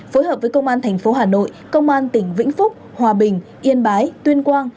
phối hợp với công an thành phố hà nội công an tỉnh vĩnh phúc hòa bình yên bái tuyên quang